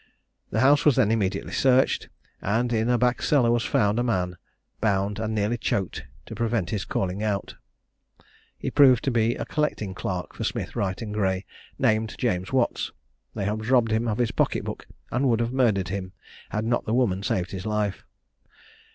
The house was then immediately searched, and in a back cellar was found a man, bound, and nearly choked to prevent his calling out. He proved to be a collecting clerk for Smith, Wright, and Gray, named James Watts. They had robbed him of his pocket book, and would have murdered him had not the woman saved his life.